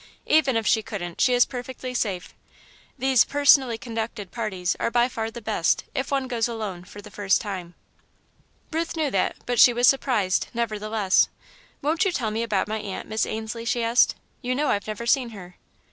Even if she couldn't, she is perfectly safe. These 'personally conducted' parties are by far the best, if one goes alone, for the first time." Ruth knew that, but she was surprised, nevertheless. "Won't you tell me about my aunt, Miss Ainslie?" she asked. "You know I've never seen her."